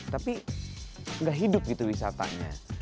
tapi gak hidup gitu wisatanya